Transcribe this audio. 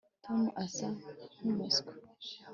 tom asa nkumuswa